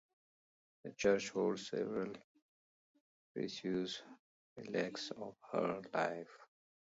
The church holds several precious relics of her life.